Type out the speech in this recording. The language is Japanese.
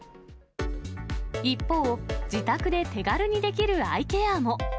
一方、自宅で手軽にできるアイケアも。